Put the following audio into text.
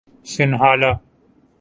Sinhala